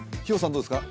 どうですか？